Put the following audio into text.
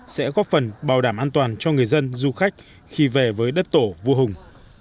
sẽ góp phần bảo đảm an toàn cho người dân du khách khi về với đất tổ vua hùng